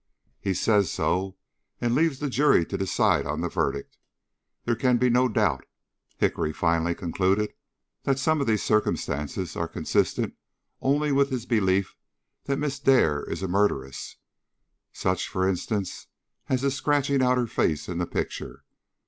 He says so, and leaves the jury to decide on the verdict. There can be no doubt," Hickory finally concluded, "that some of these circumstances are consistent only with his belief that Miss Dare is a murderess: such, for instance, as his scratching out her face in the picture.